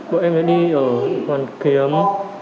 bọn em đã đi ở hoàn kiếm